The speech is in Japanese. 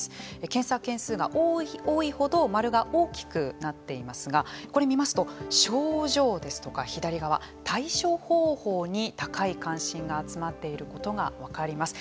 検索件数が多いほど丸が大きくなっていますがこれ見ますと症状ですとか左側、対処方法に高い関心が集まっていることが分かります。